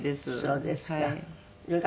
そうですか。